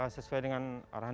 sesuai dengan arahan